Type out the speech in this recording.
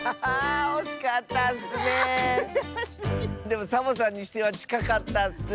でもサボさんにしてはちかかったッス！